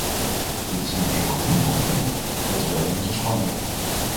Dit is niet enkel hun probleem, het is ook onze schande.